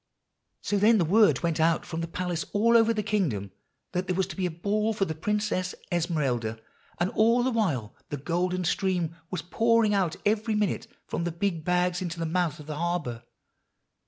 "So then the word went out from the palace all over the kingdom, that there was to be a Ball for the Princess Esmeralda; and all the while the golden stream was pouring out every minute from the big bags into the mouth of the harbor.